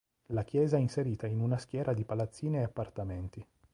La chiesa è inserita in una schiera di palazzine e appartamenti.